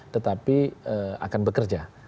tetapi akan bekerja